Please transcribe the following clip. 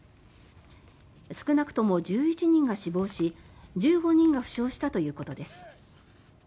少なくとも１１人が死亡し１５人が負傷したということです。